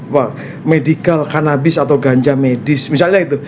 wah medical kanabis atau ganja medis misalnya itu